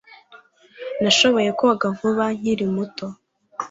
Nashoboye koga vuba nkiri muto